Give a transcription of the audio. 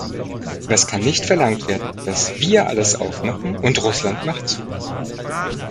Aber es kann nicht verlangt werden, dass wir alles aufmachen, und Russland macht zu.